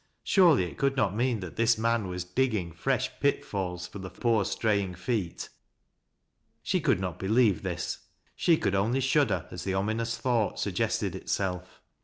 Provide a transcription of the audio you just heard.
Surely it could not mean that this man was digging fresh pitfalls for the poor stray ing feet. She could not believe this, — she could only ahuider a 5 the ominous thought suggested itself.